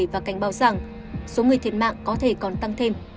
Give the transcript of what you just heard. và cảnh báo rằng số người thiệt mạng có thể còn tăng thêm